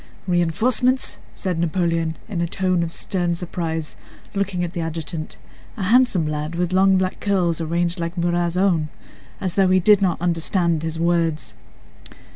"Reinforcements?" said Napoleon in a tone of stern surprise, looking at the adjutant—a handsome lad with long black curls arranged like Murat's own—as though he did not understand his words.